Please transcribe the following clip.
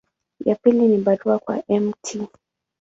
Ya pili ni barua kwa Mt.